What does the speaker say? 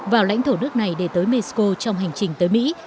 vào lãnh thổ nước này để tới mexico trong hành trình tới mỹ